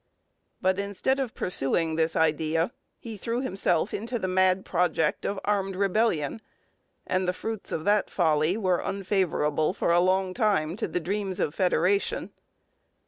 But instead of pursuing this idea he threw himself into the mad project of armed rebellion, and the fruits of that folly were unfavourable for a long time to the dreams of federation.